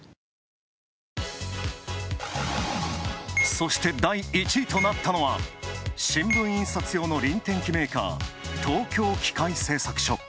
そして、第１位となったのは新聞印刷用の輪転機メーカー、東京機械製作所。